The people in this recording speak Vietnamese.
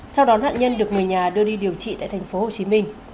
sau đó nạn nhân được người nhà đưa đi điều trị tại thành phố hồ chí minh